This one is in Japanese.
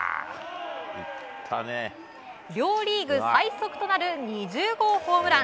両リーグ最速となる２０号ホームラン。